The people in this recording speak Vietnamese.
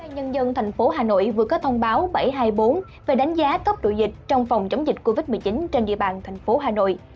nhân dân thành phố hà nội vừa có thông báo bảy trăm hai mươi bốn về đánh giá tốc độ dịch trong phòng chống dịch covid một mươi chín trên địa bàn thành phố hà nội